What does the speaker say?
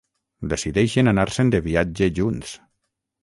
Decideixen anar-se'n de viatge junts.